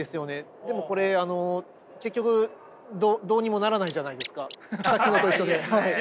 でもこれあの結局どうにもならないじゃないですか先ほどと一緒で。